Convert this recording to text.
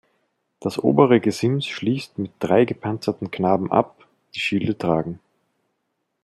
Das obere Gesims schließt mit drei gepanzerten Knaben ab, die Schilde tragen.